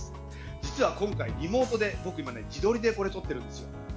実は、今回リモートで自撮りで撮ってるんですよ。